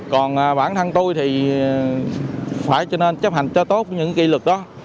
còn bản thân tôi thì phải cho nên chấp hành cho tốt những kỳ lực đó